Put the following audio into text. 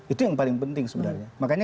itu yang paling penting sebenarnya makanya